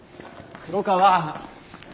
黒川。